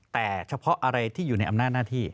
แต่เฉพาะอะไรที่อยู่ในอำนาจหน้าที่